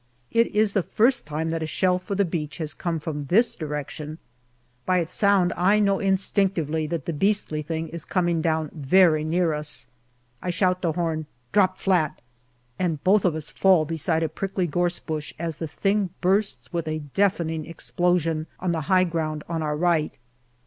It is the first time that a shell for the beach has come from this direction. By its sound I know instinctively that the 286 GALLIPOLI DIARY beastly thing is coming down very near us. I shout to Horn, " Drop flat !" and both of us fall beside a prickly gorse bush as the thing bursts with a deafening explosion on the high ground on our right.